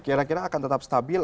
kira kira akan tetap stabil